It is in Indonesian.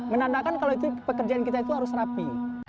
menandakan kalau itu pekerjaan kita itu harus rapi